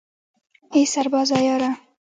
ای سربازه یاره